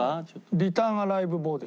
「リターンアライブボディ」。